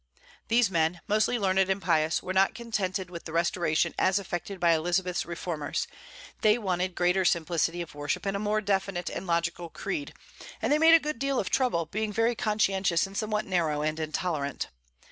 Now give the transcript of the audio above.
These men, mostly learned and pious, were not contented with the restoration as effected by Elizabeth's reformers, they wanted greater simplicity of worship and a more definite and logical creed; and they made a good deal of trouble, being very conscientious and somewhat narrow and intolerant.